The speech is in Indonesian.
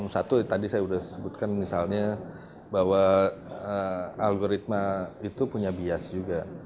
satu tadi saya sudah sebutkan misalnya bahwa algoritma itu punya bias juga